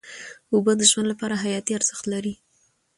اوبه د ژوند لپاره حیاتي ارزښت لري.